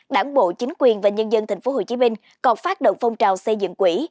đảng bộ chính quyền và nhân dân tp hcm còn phát động phong trào xây dựng quỹ